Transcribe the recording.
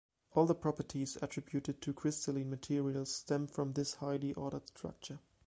All the properties attributed to crystalline materials stem from this highly ordered structure.